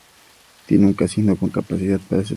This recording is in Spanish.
Tiene un casino con capacidad para setecientas personas.